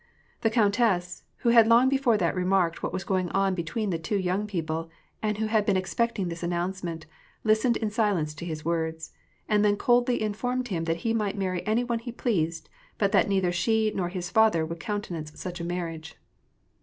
• The countess, who had long before that remarked what was going on between the two young people, and who had been expecting this announcement, listened in silence to his words ; and then coldly informed him that he might marry any one he pleased, but that neither she nor his father would countenance such a marriage.